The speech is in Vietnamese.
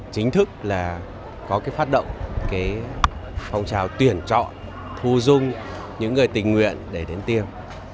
chính thức có phát động phong trào tuyển chọn thu dung những người tình nguyện để đến tiêm